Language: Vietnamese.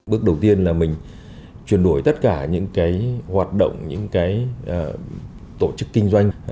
bước đầu tiên là mình chuyển đổi tất cả những hoạt động những tổ chức kinh doanh